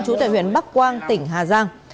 chủ tệ huyện bắc quang tỉnh hà giang